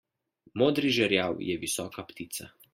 Modri žerjav je visoka ptica.